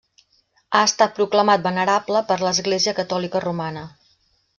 Ha estat proclamat venerable per l'Església Catòlica Romana.